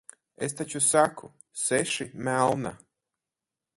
Es taču saku - seši, melna.